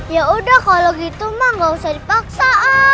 ya udah kalau gitu mah gak usah dipaksa